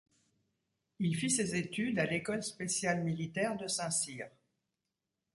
Il fit ses études à l'école spéciale militaire de Saint-Cyr.